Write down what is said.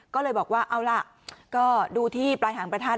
ก็เลยบอกว่าเอาล่ะก็ดูที่ปลายหางประทัด